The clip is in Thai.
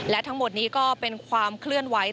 และทั้งหมดนี้ก็เป็นความเคลื่อนไหว